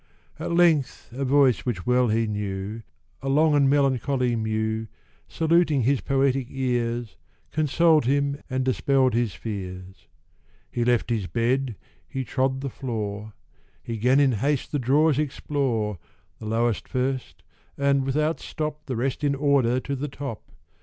At length a voice which well he knew, A long and melancholy mew, Saluting his poetic ears, Consoled him and dispell'd his fears: He left his bed, he trod the floor, He 'gan in haste the drawers explore, The lowest first, and without stop The rest in order to the top.